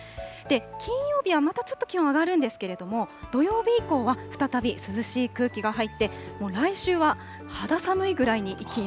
金曜日はまたちょっと気温上がるんですけれども、土曜日以降は再び涼しい空気が入って、もう来週は肌寒いくらいに、